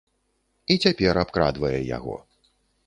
І цяпер абкрадвае яго.